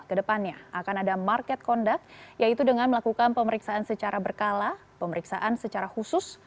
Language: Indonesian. kedepannya akan ada market conduct yaitu dengan melakukan pemeriksaan secara berkala pemeriksaan secara khusus